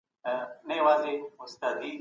دی افغانستان ملت دیر یو زیار کش ملت دي